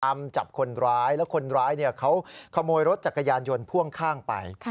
จับคนร้ายแล้วคนร้ายเขาขโมยรถจักรยานยนต์พ่วงข้างไป